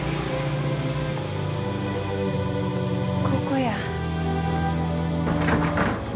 ここや。